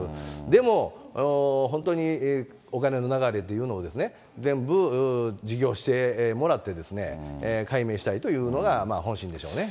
でも、本当にお金の流れというのを全部自供してもらって、解明したいというのが、本心でしょうね。